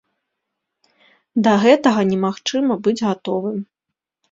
Да гэтага немагчыма быць гатовым.